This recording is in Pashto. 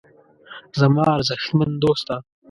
زما ارزښتمن دوسته.